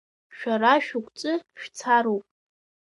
Шәара шәықәҵны шәцароуп!